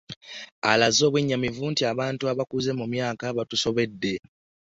Alaze obwennyamivu nti abantu abakuze mu myaka batusobedde